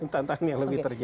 tantangannya lebih terjal